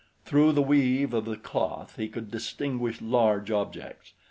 Through the weave of the cloth he could distinguish large objects.